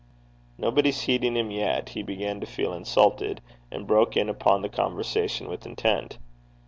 Nobody heeding him yet, he began to feel insulted, and broke in upon the conversation with intent.